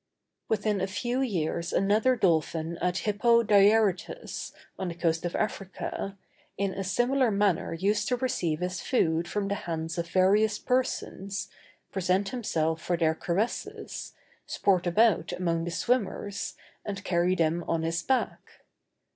Within a few years another dolphin at Hippo Diarrhytus, on the coast of Africa, in a similar manner used to receive his food from the hands of various persons, present himself for their caresses, sport about among the swimmers, and carry them on his back.